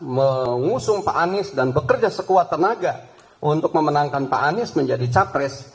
mengusung pak anies dan bekerja sekuat tenaga untuk memenangkan pak anies menjadi capres